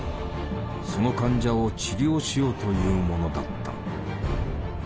その患者を治療しようというものだった。